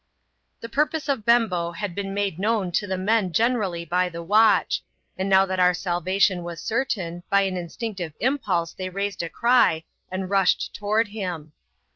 The purpose of Bembo bad been made known to tbe men generally by the watch ; and now that our salvation was certain, by an instinctive impulse they raised a cry, and rushed toward him.